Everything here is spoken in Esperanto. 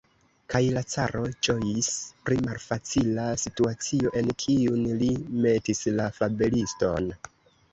Kaj la caro ĝojis pri malfacila situacio, en kiun li metis la fabeliston.